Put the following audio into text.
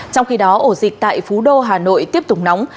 trong khi đó ổ dịch tại phú đô hà nội tiếp tục nóng